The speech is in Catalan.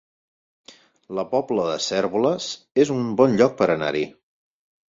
La Pobla de Cérvoles es un bon lloc per anar-hi